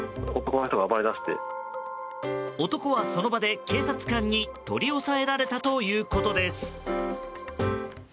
男は、その場で警察官に取り押さえられたということです。